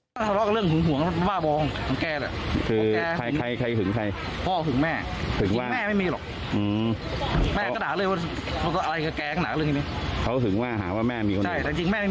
เพราะว่าแม่ก็เยอะแล้วจะมีใช่ไหม